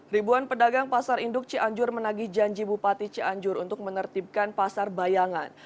ribuan pedagang pasar induk cianjur menagih janji bupati cianjur untuk menertibkan pasar bayangan